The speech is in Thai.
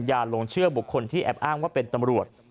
หลงเชื่อบุคคลที่แอบอ้างว่าเป็นตำรวจ